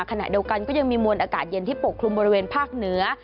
ขณะเดียวกันก็ยังมีมวลอากาศเย็นที่ปกคลุมบริเวณภาคเหนือ